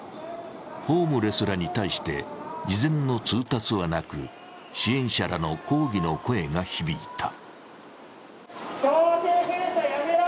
ホームレスらに対して事前の通達はなく支援者らの抗議の声が響いた。